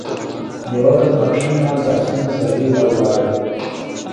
یوه ورځ ماپښین مهال د اسونو سیالیو ته ولاړو.